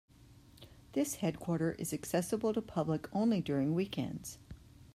This headquarter is accessible to public only during weekends.